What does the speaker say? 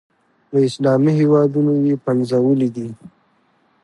له اسلامي هېوادونو یې پنځولي دي.